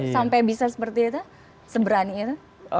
sampai bisa seperti itu seberani itu